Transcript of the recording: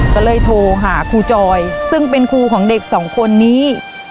ก็เลยโทรหาครูจอยซึ่งเป็นครูของเด็กสองคนนี้